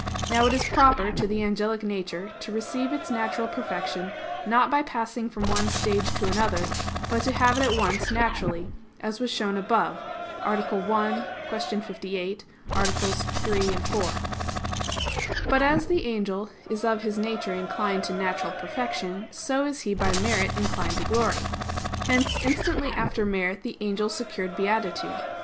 Now it is proper to the angelic nature to receive its natural perfection not by passing from one stage to another; but to have it at once naturally, as was shown above (A. 1; Q. 58, AA. 3, 4). But as the angel is of his nature inclined to natural perfection, so is he by merit inclined to glory. Hence instantly after merit the angel secured beatitude.